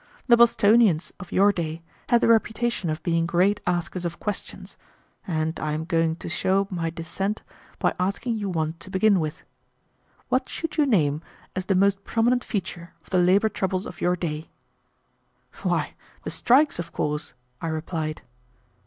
The Bostonians of your day had the reputation of being great askers of questions, and I am going to show my descent by asking you one to begin with. What should you name as the most prominent feature of the labor troubles of your day?" "Why, the strikes, of course," I replied.